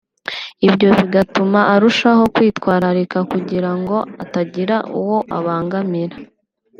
ibyo bigatuma arushaho kwitwararika kugira ngo atagira uwo abangamira